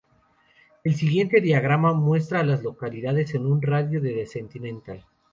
El siguiente diagrama muestra a las localidades en un radio de de Centennial.